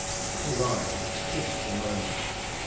It arrived at a critical moment.